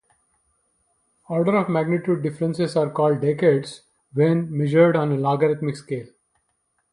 Order-of-magnitude differences are called decades when measured on a logarithmic scale.